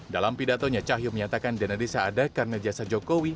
dalam pidatonya cahyo menyatakan dana desa ada karena jasa jokowi